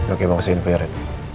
oke makasih info yarin